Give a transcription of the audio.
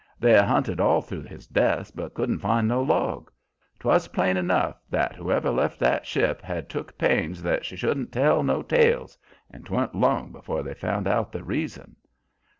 They hunted all through his desk, but couldn't find no log. 'Twas plain enough that whoever'd left that ship had took pains that she shouldn't tell no tales, and 'twan't long before they found out the reason.